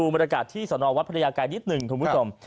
บรรยากาศที่สนวัดพระยาไกรนิดหนึ่งคุณผู้ชม